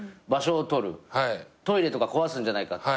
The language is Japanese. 「場所を取る」「トイレとか壊すんじゃないか」